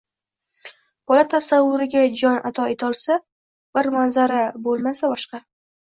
bola tasavvuriga «jon» ato etolsa – bir manzara, bo‘lmasa – boshqa.